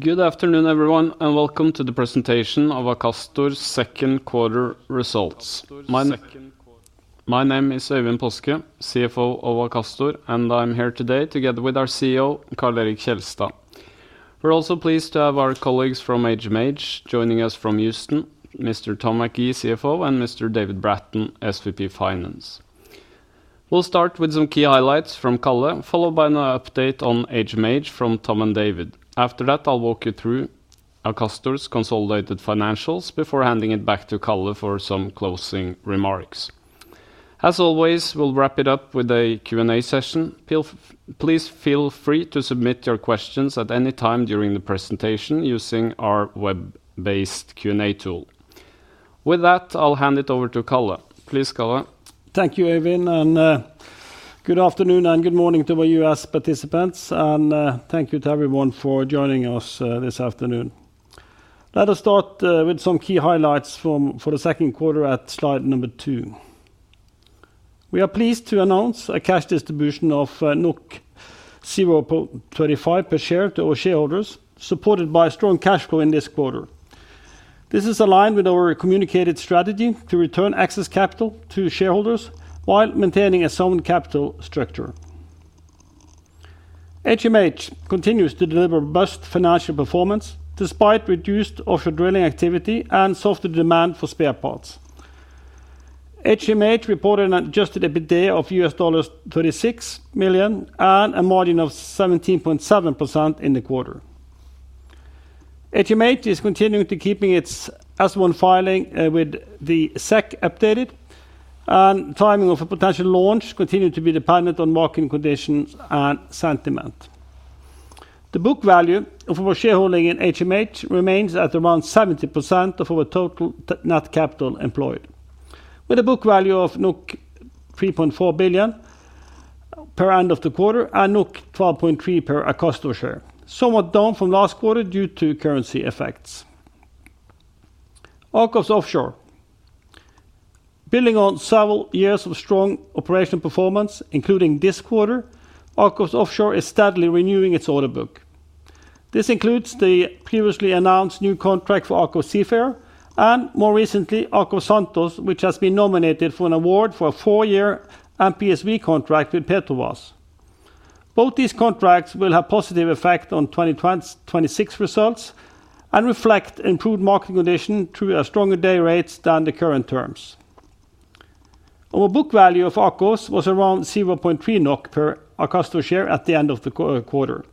Good afternoon, everyone, and welcome to the presentation of Akastor's second quarter results. My name is Øyvind Paaske, CFO of Akastor, and I'm here today together with our CEO, Karl Erik Kjelstad. We're also pleased to have our colleagues from HMH joining us from Houston: Mr. Tom McGee, CFO, and Mr. David Bratton, SVP Finance. We'll start with some key highlights from Karl, followed by an update on HMH from Tom and David. After that, I'll walk you through Akastor's consolidated financials before handing it back to Karl for some closing remarks. As always, we'll wrap it up with a Q&A session. Please feel free to submit your questions at any time during the presentation using our web-based Q&A tool. With that, I'll hand it over to Karl. Please, Karl. Thank you, Øyvind, and good afternoon and good morning to our U.S. participants, and thank you to everyone for joining us this afternoon. Let us start with some key highlights for the second quarter at slide number two. We are pleased to announce a cash distribution of 0.25 per share to all shareholders, supported by a strong cash flow in this quarter. This is aligned with our communicated strategy to return excess capital to shareholders while maintaining a sound capital structure. HMH continues to deliver robust financial performance despite reduced offshore drilling activity and softer demand for spare parts. HMH reported an adjusted EBITDA of $36 million and a margin of 17.7% in the quarter. HMH is continuing to keep its S-1 filing with the SEC updated, and the timing of a potential launch continues to be dependent on market conditions and sentiment. The book value of our shareholding in HMH remains at around 70% of our total net capital employed, with a book value of 3.4 billion per end of the quarter and 12.3 per Akastor share, somewhat down from last quarter due to currency effects. AKOFS Offshore. Building on several years of strong operational performance, including this quarter, AKOFS Offshore is steadily renewing its order book. This includes the previously announced new contract for AKOFS Seafarer and, more recently, AKOFS Santos, which has been nominated for an award for a four-year MPSV contract with Petrobras. Both these contracts will have positive effects on 2026 results and reflect improved market conditions through stronger day rates than the current terms. Our book value of AKOFS was around 0.3 NOK per Akastor share at the end of the quarter.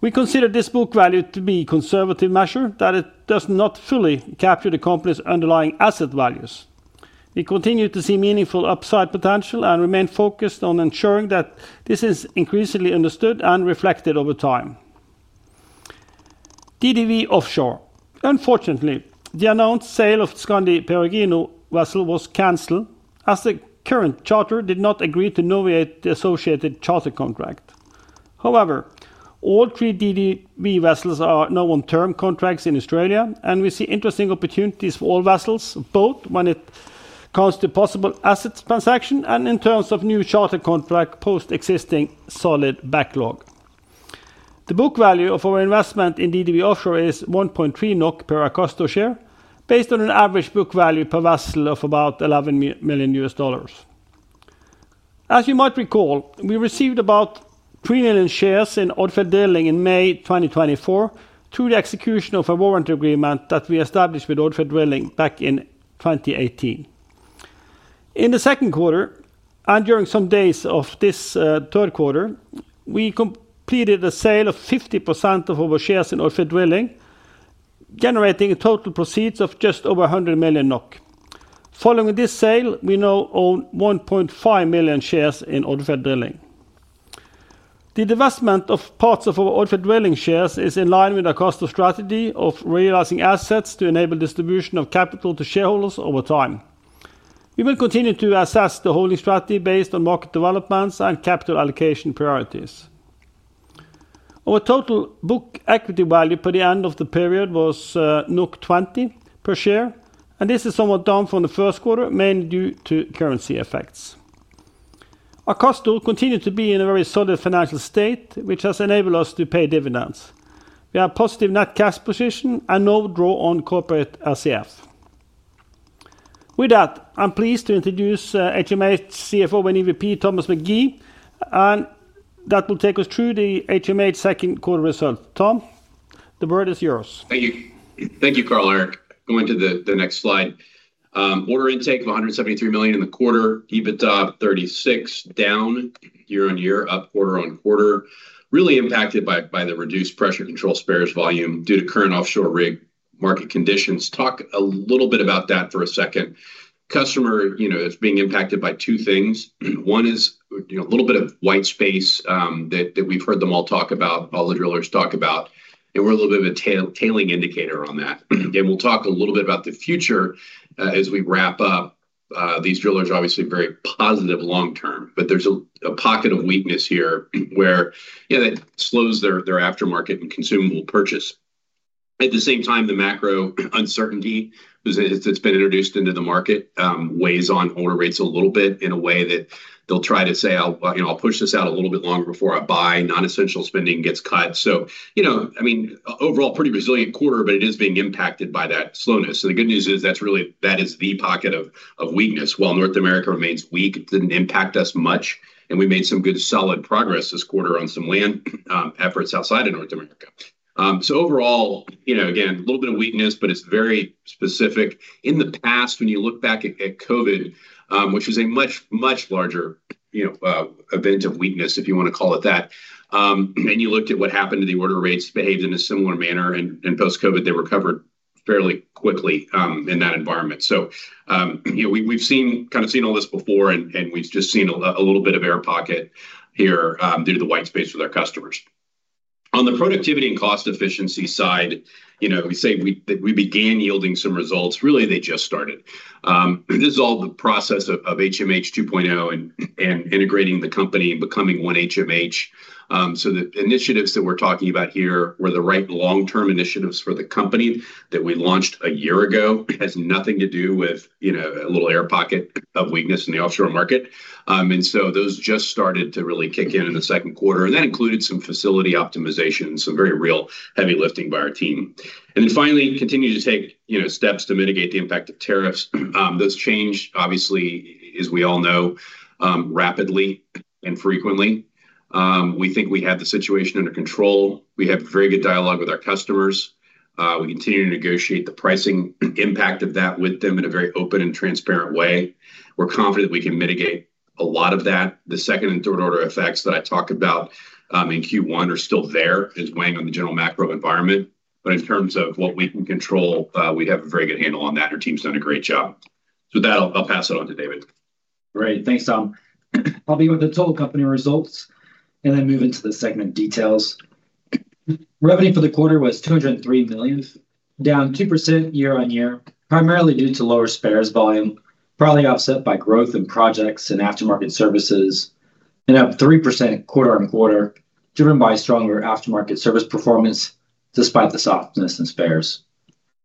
We consider this book value to be a conservative measure, that it does not fully capture the company's underlying asset values. We continue to see meaningful upside potential and remain focused on ensuring that this is increasingly understood and reflected over time. DDW Offshore. Unfortunately, the announced sale of the Skandi Peregrino vessel was canceled as the current charter did not agree to negotiate the associated charter contract. However, all three DDW vessels are now on term contracts in Australia, and we see interesting opportunities for all vessels, both when it comes to possible asset transactions and in terms of new charter contracts post existing solid backlog. The book value of our investment in DDW Offshore is 1.3 NOK per Akastor share, based on an average book value per vessel of about $11 million. As you might recall, we received about 3 million shares in Odfjell Drilling in May 2024 through the execution of a warranty agreement that we established with Odfjell Drilling back in 2018. In the second quarter, and during some days of this third quarter, we completed a sale of 50% of our shares in Odfjell Drilling, generating total proceeds of just over 100 million NOK. Following this sale, we now own 1.5 million shares in Odfjell Drilling. The divestment of parts of our Odfjell Drilling shares is in line with Akastor's strategy of realising assets to enable distribution of capital to shareholders over time. We will continue to assess the holding strategy based on market developments and capital allocation priorities. Our total book equity value per the end of the period was 20 per share, and this is somewhat down from the first quarter, mainly due to currency effects. Akastor continues to be in a very solid financial state, which has enabled us to pay dividends. We have a positive net cash position and no draw on corporate ACF. With that, I'm pleased to introduce HMH CFO and EVP, Tom McGee, and that will take us through the HMH second quarter result. Tom, the word is yours. Thank you, Karl, and going to the next slide. Order intake of $173 million in the quarter, EBITDA $36 million down year-on-year, up quarter-on-quarter, really impacted by the reduced pressure control spares volume due to current offshore rig market conditions. Talk a little bit about that for a second. Customer, you know, it's being impacted by two things. One is, you know, a little bit of white space that we've heard them all talk about, all the drillers talk about, and we're a little bit of a tailing indicator on that. We'll talk a little bit about the future as we wrap up. These drillers are obviously very positive long term, but there's a pocket of weakness here where, yeah, that slows their aftermarket and consumable purchase. At the same time, the macro uncertainty that's been introduced into the market weighs on owner rates a little bit in a way that they'll try to say, you know, I'll push this out a little bit longer before I buy, non-essential spending gets cut. Overall, pretty resilient quarter, but it is being impacted by that slowness. The good news is that's really, that is the pocket of weakness. While North America remains weak, it didn't impact us much, and we made some good solid progress this quarter on some land efforts outside of North America. Overall, you know, again, a little bit of weakness, but it's very specific. In the past, when you look back at COVID, which was a much larger, you know, event of weakness, if you want to call it that, and you looked at what happened to the order rates, it behaved in a similar manner, and post-COVID, they recovered fairly quickly in that environment. We've seen, kind of seen all this before, and we've just seen a little bit of air pocket here due to the white space with our customers. On the productivity and cost efficiency side, we say that we began yielding some results. Really, they just started. This is all the process of HMH 2.0 and integrating the company and becoming One HMH. The initiatives that we're talking about here were the right long-term initiatives for the company that we launched a year ago. It has nothing to do with, you know, a little air pocket of weakness in the offshore market. Those just started to really kick in in the second quarter, and that included some facility optimization, some very real heavy lifting by our team. Finally, continue to take, you know, steps to mitigate the impact of tariffs. Those change, obviously, as we all know, rapidly and frequently. We think we have the situation under control. We have very good dialogue with our customers. We continue to negotiate the pricing impact of that with them in a very open and transparent way. We're confident that we can mitigate a lot of that. The second and third order effects that I talked about in Q1 are still there, is weighing on the general macro environment. In terms of what we can control, we have a very good handle on that. Our team's done a great job. With that, I'll pass it on to David Bratton. Great. Thanks, Tom. I'll begin with the total company results, and then move into the segment details. Revenue for the quarter was $203 million, down 2% year-on-year, primarily due to lower spares volume, partly offset by growth in projects and aftermarket services, and up 3% quarter-on-quarter, driven by stronger aftermarket service performance despite the softness in spares.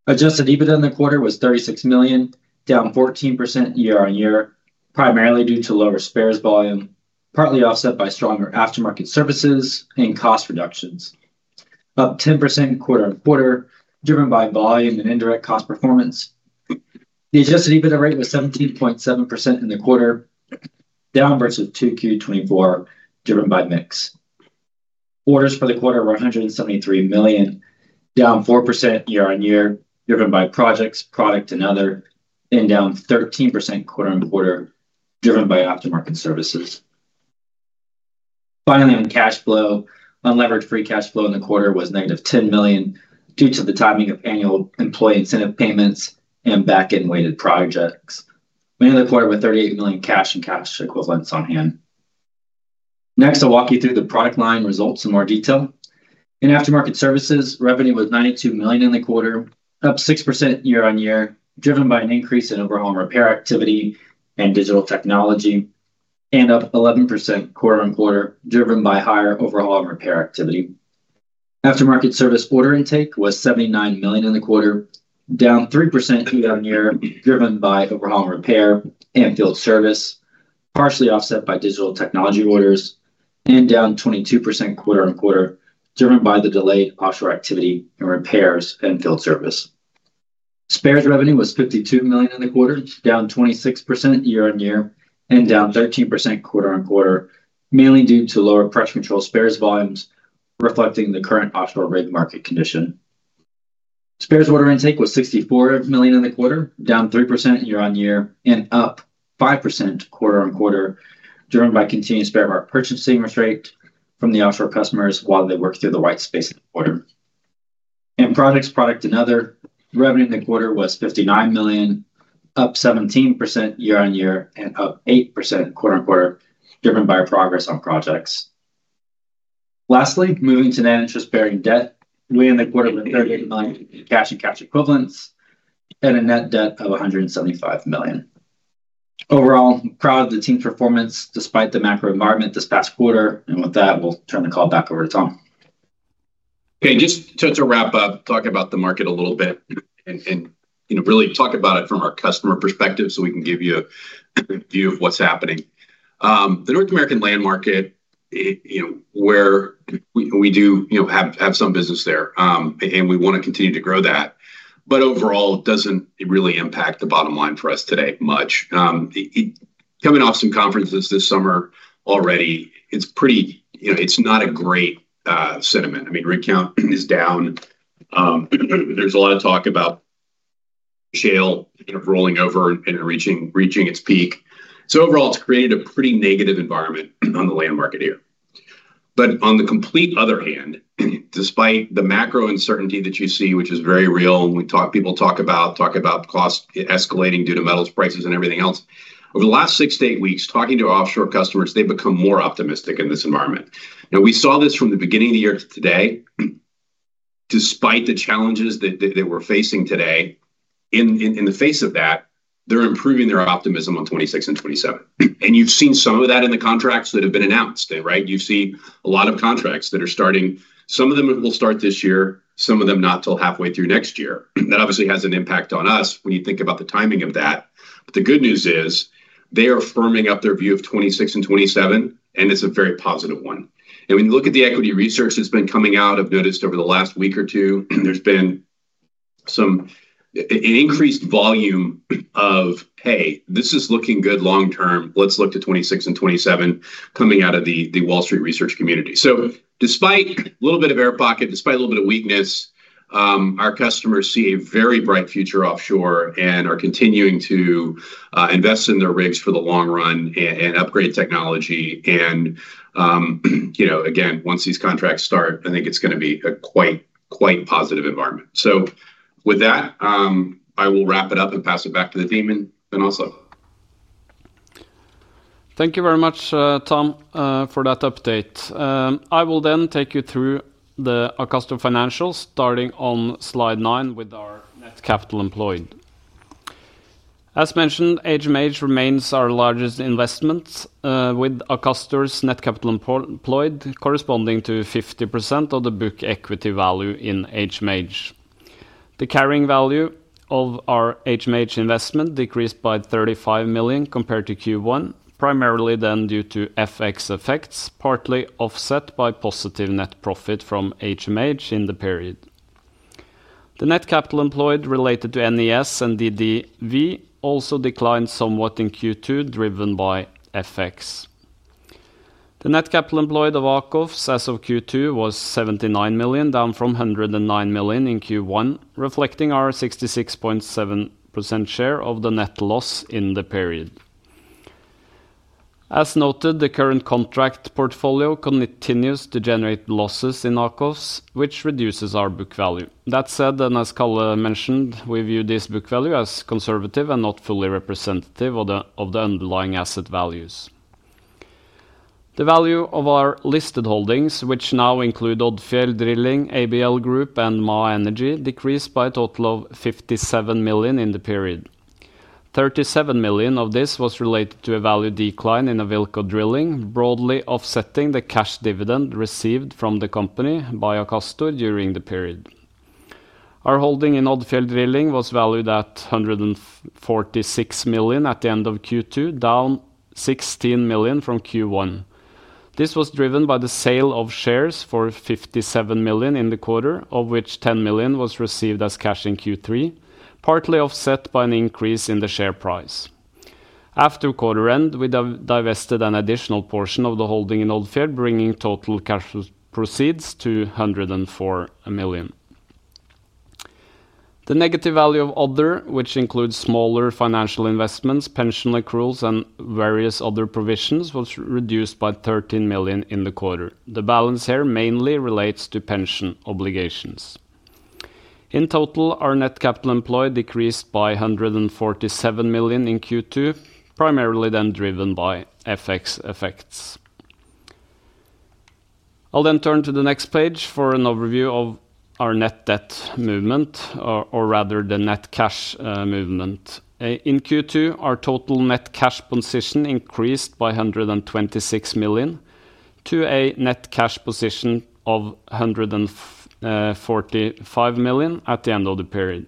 Adjusted EBITDA in the quarter was $36 million, down 14% year-on-year, primarily due to lower spares volume, partly offset by stronger aftermarket services and cost reductions. Up 10% quarter-on-quarter, driven by volume and indirect cost performance. The adjusted EBITDA rate was 17.7% in the quarter, down versus Q2 2024, driven by mix. Orders for the quarter were $173 million, down 4% year-on-year, driven by projects, product, and other, and down 13% quarter-on-quarter, driven by aftermarket services. Finally, on cash flow, unleveraged free cash flow in the quarter was negative $10 million due to the timing of annual employee incentive payments and back-end weighted projects. We ended the quarter with $38 million cash and cash equivalents on hand. Next, I'll walk you through the product line results in more detail. In aftermarket services, revenue was $92 million in the quarter, up 6% year-on-year, driven by an increase in overhaul and repair activity and digital technology, and up 11% quarter-on-quarter, driven by higher overhaul and repair activity. Aftermarket service order intake was $79 million in the quarter, down 3% year-on-year, driven by overhaul and repair and field service, partially offset by digital technology orders, and down 22% quarter-on-quarter, driven by the delayed offshore activity and repairs and field service. Spares revenue was $52 million in the quarter, down 26% year-on-year, and down 13% quarter-on-quarter, mainly due to lower pressure control spares volumes, reflecting the current offshore rig market condition. Spares order intake was $64 million in the quarter, down 3% year-on-year, and up 5% quarter-on-quarter, driven by continued spare part purchasing rate from the offshore customers while they work through the white space of the quarter. In projects, product, and other, revenue in the quarter was $59 million, up 17% year-on-year, and up 8% quarter-on-quarter, driven by progress on projects. Lastly, moving to the interest-bearing debt, we ended the quarter with $38 million in cash and cash equivalents and a net debt of $175 million. Overall, I'm proud of the team's performance despite the macro environment this past quarter, and with that, we'll turn the call back over to Tom. Okay, and just to wrap up, talk about the market a little bit and, you know, really talk about it from our customer perspective so we can give you a view of what's happening. The North America land market, you know, where we do, you know, have some business there, and we want to continue to grow that, but overall, it doesn't really impact the bottom line for us today much. Coming off some conferences this summer already, it's pretty, you know, it's not a great sentiment. I mean, rig count is down. There's a lot of talk about shale kind of rolling over and reaching its peak. Overall, it's created a pretty negative environment on the land market here. On the complete other hand, despite the macro uncertainty that you see, which is very real, and we talk, people talk about, talk about cost escalating due to metals prices and everything else, over the last six to eight weeks, talking to offshore customers, they've become more optimistic in this environment. We saw this from the beginning of the year to today. Despite the challenges that we're facing today, in the face of that, they're improving their optimism on 2026 and 2027. You've seen some of that in the contracts that have been announced, right? You've seen a lot of contracts that are starting. Some of them will start this year, some of them not till halfway through next year. That obviously has an impact on us when you think about the timing of that. The good news is they are firming up their view of 2026 and 2027, and it's a very positive one. When you look at the equity research that's been coming out, I've noticed over the last week or two, there's been some increased volume of, hey, this is looking good long term. Let's look to 2026 and 2027 coming out of the Wall Street research community. Despite a little bit of air pocket, despite a little bit of weakness, our customers see a very bright future offshore and are continuing to invest in their rigs for the long run and upgrade technology. Once these contracts start, I think it's going to be a quite, quite positive environment. With that, I will wrap it up and pass it back to the demon. Thank you very much, Tom, for that update. I will then take you through the Akastor financials, starting on slide nine with our capital employed. As mentioned, HMH remains our largest investment, with Akastor's net capital employed corresponding to 50% of the book equity value in HMH. The carrying value of our HMH investment decreased by $35 million compared to Q1, primarily then due to FX effects, partly offset by positive net profit from HMH in the period. The net capital employed related to NES and DDW also declined somewhat in Q2, driven by FX. The net capital employed of AKOFS as of Q2 was $79 million, down from $109 million in Q1, reflecting our 66.7% share of the net loss in the period. As noted, the current contract portfolio continues to generate losses in AKOFS, which reduces our book value. That said, and as Karl mentioned, we view this book value as conservative and not fully representative of the underlying asset values. The value of our listed holdings, which now include Odfjell Drilling, ABL Group, and Maha Energy, decreased by a total of $57 million in the period. $37 million of this was related to a value decline in Awilco Drilling, broadly offsetting the cash dividend received from the company by Akastor during the period. Our holding in Odfjell Drilling was valued at $146 million at the end of Q2, down $16 million from Q1. This was driven by the sale of shares for $57 million in the quarter, of which $10 million was received as cash in Q3, partly offset by an increase in the share price. After quarter end, we divested an additional portion of the holding in Odfjell, bringing total cash proceeds to $104 million. The negative value of other, which includes smaller financial investments, pension accruals, and various other provisions, was reduced by $13 million in the quarter. The balance here mainly relates to pension obligations. In total, our net capital employed decreased by $147 million in Q2, primarily then driven by FX effects. I'll then turn to the next page for an overview of our net debt movement, or rather the net cash movement. In Q2, our total net cash position increased by $126 million to a net cash position of $145 million at the end of the period.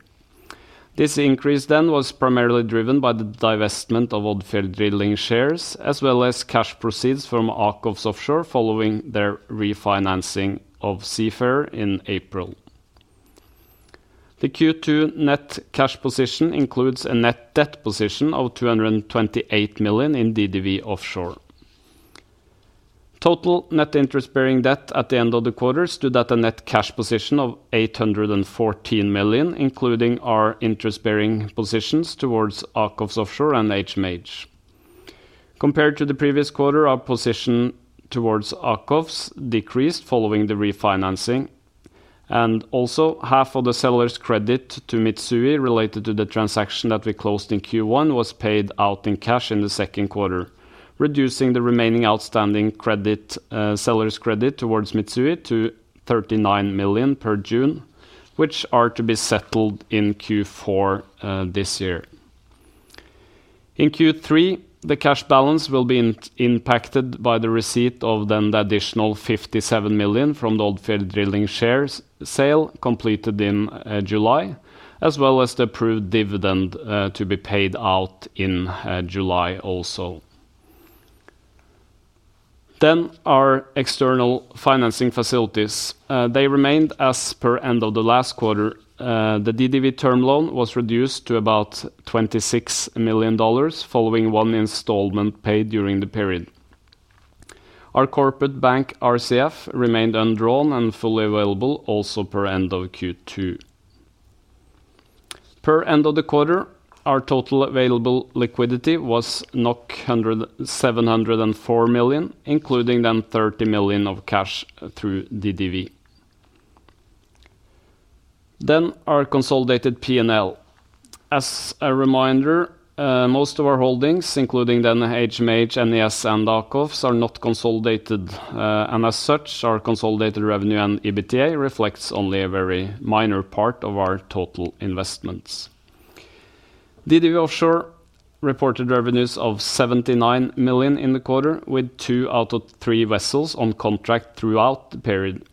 This increase then was primarily driven by the divestment of Odfjell Drilling shares, as well as cash proceeds from AKOFS Offshore following their refinancing of Seafarer in April. The Q2 net cash position includes a net debt position of $228 million in DDW Offshore. Total net interest-bearing debt at the end of the quarter stood at a net cash position of 814 million, including our interest-bearing positions towards AKOFS Offshore and HMH. Compared to the previous quarter, our position towards AKOFS decreased following the refinancing, and also half of the seller's credit to Mitsui related to the transaction that we closed in Q1 was paid out in cash in the second quarter, reducing the remaining outstanding seller's credit towards Mitsui to 39 million per June, which are to be settled in Q4 this year. In Q3, the cash balance will be impacted by the receipt of the additional 57 million from the Odfjell Drilling shares sale completed in July, as well as the approved dividend to be paid out in July also. Our external financing facilities remained as per end of the last quarter. The DDW term loan was reduced to about $26 million following one installment paid during the period. Our corporate bank RCF remained undrawn and fully available also per end of Q2. Per end of the quarter, our total available liquidity was 704 million, including then 30 million of cash through DDW. Our consolidated P&L, as a reminder, most of our holdings, including then HMH, NES, and AKOFS, are not consolidated, and as such, our consolidated revenue and EBITDA reflect only a very minor part of our total investments. DDW Offshore reported revenues of 79 million in the quarter, with two out of three vessels on contract throughout the period,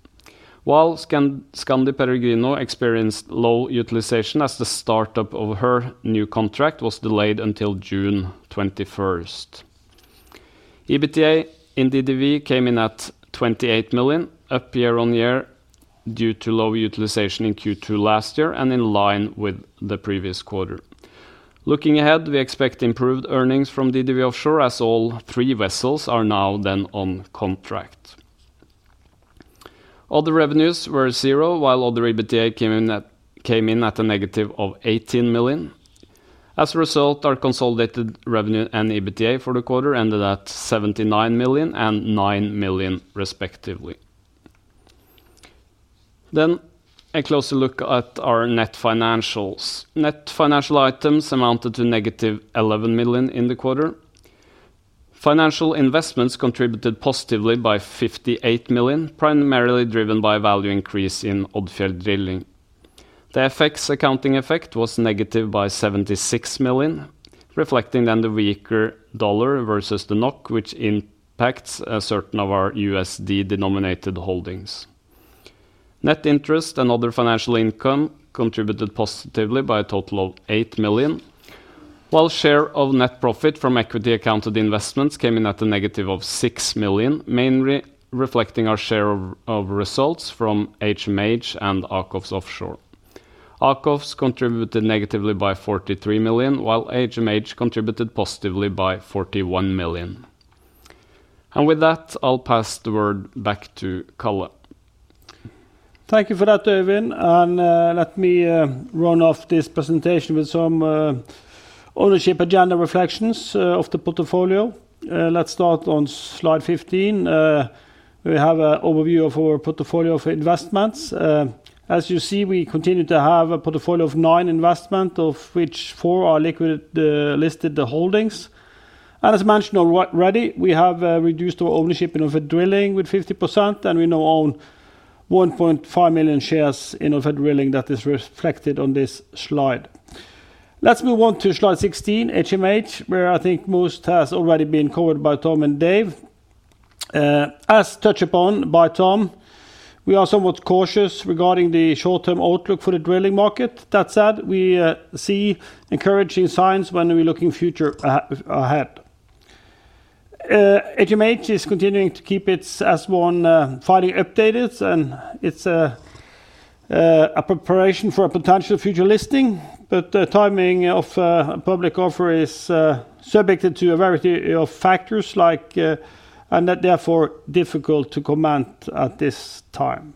while ` experienced low utilization as the startup of her new contract was delayed until June 21. EBITDA in DDW came in at 28 million, up year-on-year due to low utilization in Q2 last year and in line with the previous quarter. Looking ahead, we expect improved earnings from DDW Offshore as all three vessels are now then on contract. Other revenues were zero, while other EBITDA came in at a negative 18 million. As a result, our consolidated revenue and EBITDA for the quarter ended at 79 million and 9 million, respectively. A closer look at our net financials, net financial items amounted to negative 11 million in the quarter. Financial investments contributed positively by 58 million, primarily driven by value increase in Odfjell Drilling. The FX accounting effect was negative by 76 million, reflecting then the weaker dollar versus the NOK, which impacts a certain of our USD-denominated holdings. Net interest and other financial income contributed positively by a total of $8 million, while share of net profit from equity accounted investments came in at a negative of $6 million, mainly reflecting our share of results from HMH and AKOFS Offshore. AKOFS contributed negatively by $43 million, while HMH contributed positively by $41 million. With that, I'll pass the word back to Karl. Thank you for that, Øyvind. Let me run off this presentation with some ownership agenda reflections of the portfolio. Let's start on slide 15. We have an overview of our portfolio of investments. As you see, we continue to have a portfolio of nine investments, of which four are liquid listed holdings. As mentioned already, we have reduced our ownership in Odfjell Drilling by 50%, and we now own 1.5 million shares in Odfjell Drilling that is reflected on this slide. Let's move on to slide 16, HMH, where I think most has already been covered by Tom and Dave. As touched upon by Tom, we are somewhat cautious regarding the short-term outlook for the drilling market. That said, we see encouraging signs when we look in the future ahead. HMH is continuing to keep its S-1 filing updated, and it's a preparation for a potential future listing, but the timing of a public offer is subject to a variety of factors, and that's therefore difficult to comment at this time.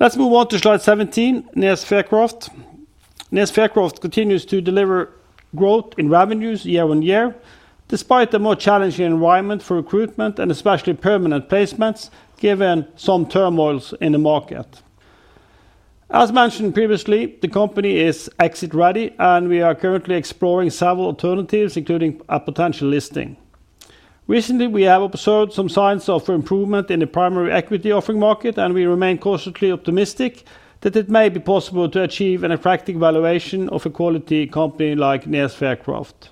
Let's move on to slide 17, NES Faircroft. NES Faircroft continues to deliver growth in revenues year-on-year, despite a more challenging environment for recruitment and especially permanent placements, given some turmoils in the market. As mentioned previously, the company is exit-ready, and we are currently exploring several alternatives, including a potential listing. Recently, we have observed some signs of improvement in the primary equity offering market, and we remain cautiously optimistic that it may be possible to achieve an attractive valuation of a quality company like NES Faircroft.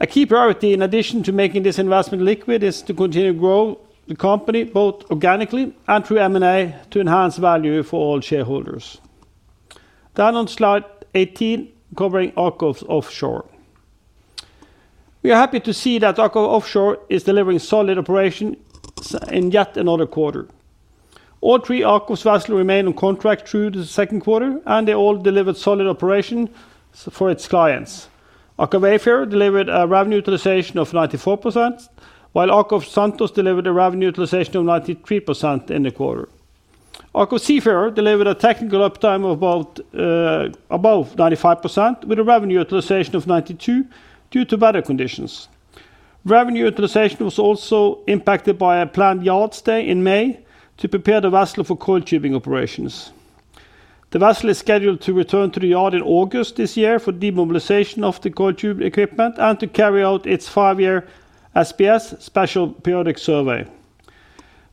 A key priority, in addition to making this investment liquid, is to continue to grow the company both organically and through M&A to enhance value for all shareholders. On slide 18, covering AKOFS Offshore, we are happy to see that AKOFS Offshore is delivering solid operations in yet another quarter. All three AKOFS vessels remain on contract through the second quarter, and they all delivered solid operations for its clients. AKOFS Offshore delivered a revenue utilization of 94%, while AKOFS Santos delivered a revenue utilization of 93% in the quarter. AKOFS Seafarer delivered a technical uptime of above 95%, with a revenue utilization of 92% due to better conditions. Revenue utilization was also impacted by a planned yard stay in May to prepare the vessel for coil tubing operations. The vessel is scheduled to return to the yard in August this year for demobilization of the coil tube equipment and to carry out its five-year SPS, special periodic survey.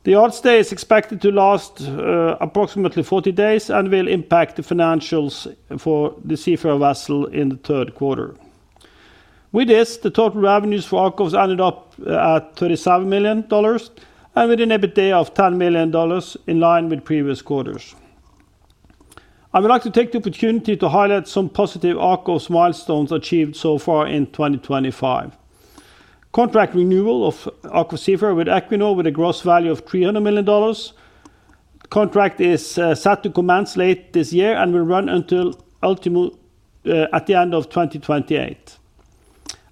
The yard stay is expected to last approximately 40 days and will impact the financials for the Seafarer vessel in the third quarter. With this, the total revenues for AKOFS ended up at $37 million, and with an EBITDA of $10 million, in line with previous quarters. I would like to take the opportunity to highlight some positive AKOFS milestones achieved so far in 2025. Contract renewal of AKOFS Seafarer with Equinor with a gross value of $300 million. The contract is set to commence late this year and will run until the end of 2028.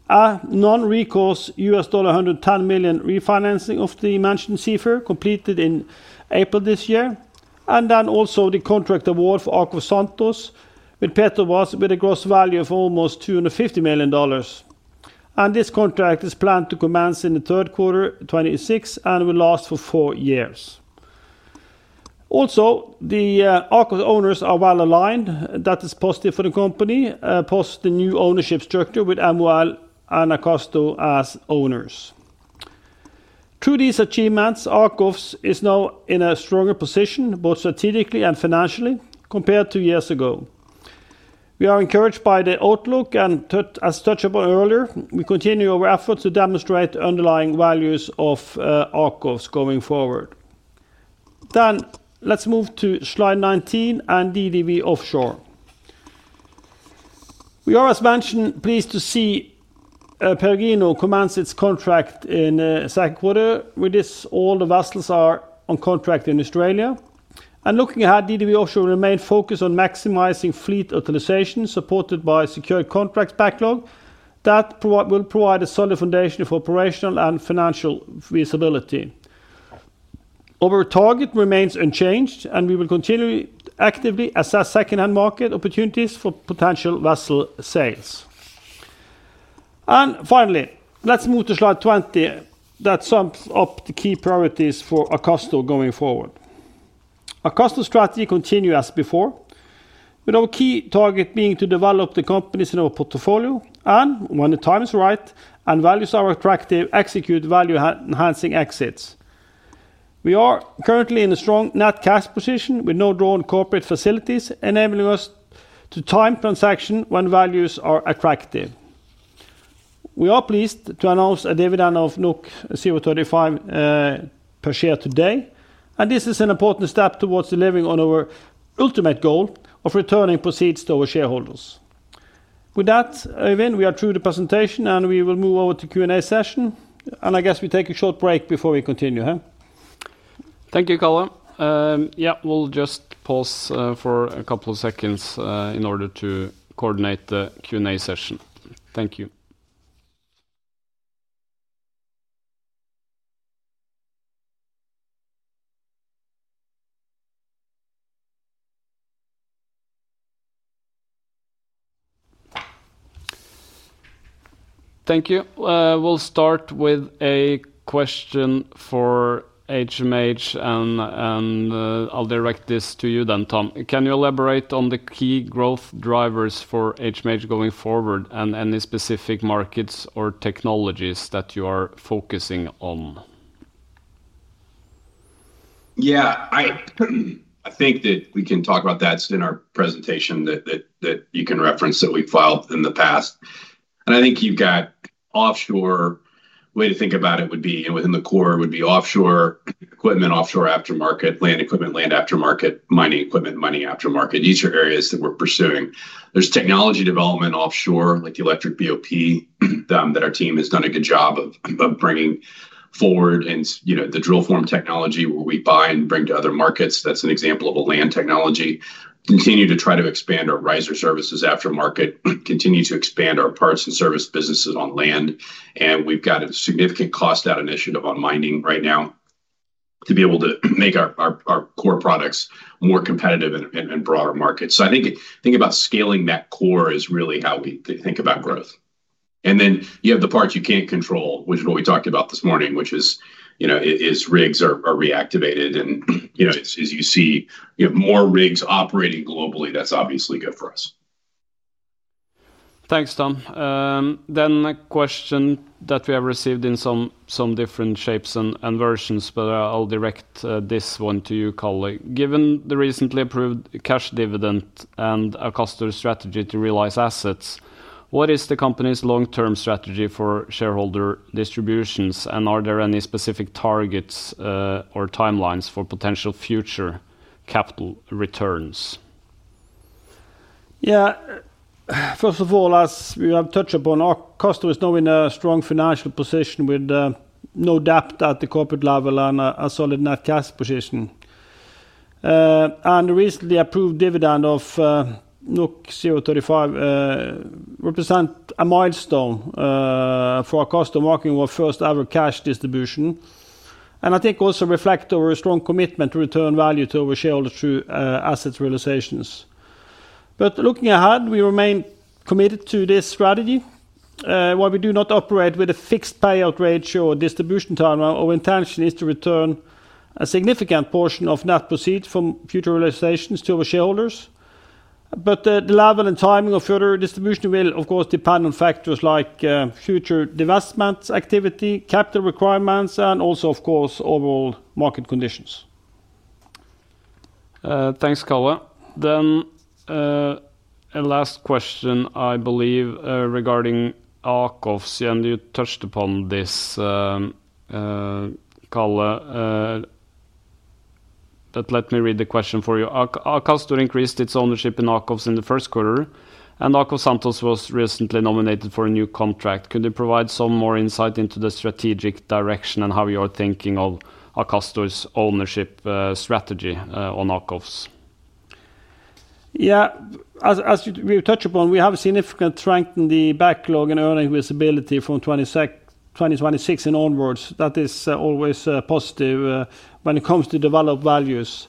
Non-recourse $110 million refinancing of the mentioned Seafarer completed in April this year, and also the contract award for AKOFS Santos with Petrobras, with a gross value of almost $250 million. This contract is planned to commence in the third quarter, 2026, and will last for four years. The AKOFS owners are well aligned. That is positive for the company, plus the new ownership structure with MOL and Akastor as owners. Through these achievements, AKOFS is now in a stronger position, both strategically and financially, compared to years ago. We are encouraged by the outlook, and as touched upon earlier, we continue our efforts to demonstrate the underlying values of AKOFS going forward. Let's move to slide 19 and DDW Offshore. We are pleased to see Peregrino commence its contract in the second quarter. With this, all the vessels are on contract in Australia. Looking ahead, DDW Offshore remains focused on maximizing fleet utilization, supported by a secured contract backlog that will provide a solid foundation for operational and financial visibility. Our target remains unchanged, and we will continue to actively assess second-hand market opportunities for potential vessel sales. Finally, let's move to slide 20 that sums up the key priorities for Akastor going forward. Akastor's strategy continues as before, with our key target being to develop the companies in our portfolio, and when the time is right and values are attractive, execute value-enhancing exits. We are currently in a strong net cash position with no drawn corporate facilities, enabling us to time transaction when values are attractive. We are pleased to announce a dividend of 0.35 per share today, and this is an important step towards delivering on our ultimate goal of returning proceeds to our shareholders. With that, Øyvind, we are through the presentation, and we will move over to Q&A session, and I guess we take a short break before we continue. Thank you, Karl. Yeah, we'll just pause for a couple of seconds in order to coordinate the Q&A session. Thank you. Thank you. We'll start with a question for HMH, and I'll direct this to you then, Tom. Can you elaborate on the key growth drivers for HMH going forward and any specific markets or technologies that you are focusing on? Yeah, I think that we can talk about that in our presentation that you can reference that we filed in the past. I think you've got offshore. The way to think about it would be, you know, within the core, it would be offshore equipment, offshore aftermarket, land equipment, land aftermarket, mining equipment, mining aftermarket. These are areas that we're pursuing. There's technology development offshore, like the electric BOP that our team has done a good job of bringing forward, and you know, the drill form technology where we buy and bring to other markets. That's an example of a land technology. We continue to try to expand our riser services aftermarket, continue to expand our parts and service businesses on land, and we've got a significant cost out initiative on mining right now to be able to make our core products more competitive in a broader market. I think thinking about scaling that core is really how we think about growth. You have the parts you can't control, which is what we talked about this morning, which is, you know, as rigs are reactivated, and you know, as you see, you have more rigs operating globally. That's obviously good for us. Thanks, Tom. A question that we have received in some different shapes and versions, but I'll direct this one to you, Karl. Given the recently approved cash dividend and Akastor's strategy to realize assets, what is the company's long-term strategy for shareholder distributions, and are there any specific targets or timelines for potential future capital returns? Yeah. First of all, as we have touched upon, Akastor is now in a strong financial position with no debt at the corporate level and a solid net cash position. The recently approved dividend of 0.35 represents a milestone for Akastor, marking our first ever cash distribution. I think it also reflects our strong commitment to return value to our shareholders through asset realizations. Looking ahead, we remain committed to this strategy. While we do not operate with a fixed payout ratio or distribution timeline, our intention is to return a significant portion of net proceeds from future realizations to our shareholders. The level and timing of further distribution will, of course, depend on factors like future divestment activity, capital requirements, and also, of course, overall market conditions. Thanks, Karl. A last question, I believe, regarding AKOFS, and you touched upon this, Karl. Let me read the question for you. Akastor increased its ownership in AKOFS in the first quarter, and AKOFS Santos was recently nominated for a new contract. Could you provide some more insight into the strategic direction and how you are thinking of Akastor's ownership strategy on AKOFS? Yeah. As we've touched upon, we have a significant strength in the backlog and earning visibility from 2026 and onwards. That is always positive when it comes to developed values.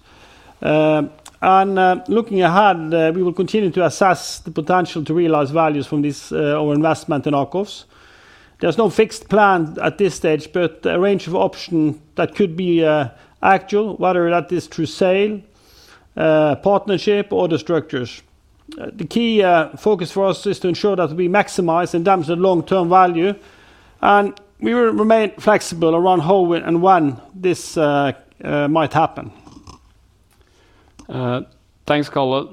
Looking ahead, we will continue to assess the potential to realize values from our investment in AKOFS. There's no fixed plan at this stage, but a range of options that could be actual, whether that is through sale, partnership, or other structures. The key focus for us is to ensure that we maximize and demonstrate long-term value, and we will remain flexible around how and when this might happen. Thanks, Karl.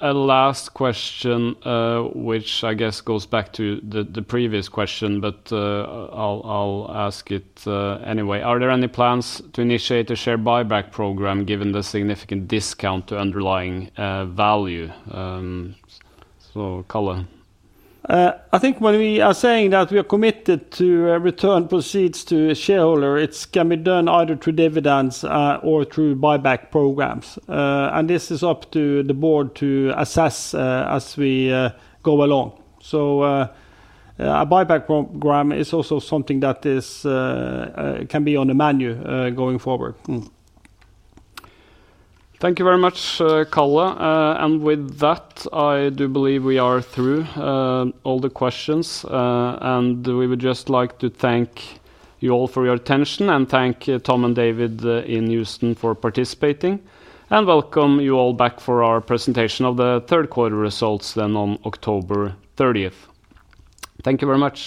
A last question, which I guess goes back to the previous question, but I'll ask it anyway. Are there any plans to initiate a share buyback program given the significant discount to underlying value? So, Karl. I think when we are saying that we are committed to return proceeds to a shareholder, it can be done either through dividends or through buyback programs. This is up to the board to assess as we go along. A buyback program is also something that can be on the menu going forward. Thank you very much, Karl. With that, I do believe we are through all the questions, and we would just like to thank you all for your attention and thank Tom and David in Houston for participating. We welcome you all back for our presentation of the third quarter results on October 30th. Thank you very much.